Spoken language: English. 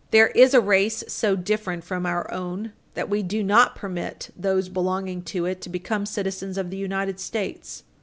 There is a race so different from our own that we do not permit those belonging to it to become citizens of the United States.